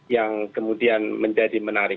yang kemudian menjadi menarik